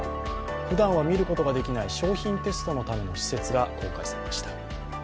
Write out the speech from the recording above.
ふだんは見ることができない商品テストのための施設が公開されました。